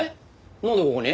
なんでここに？